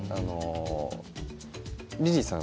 リリーさん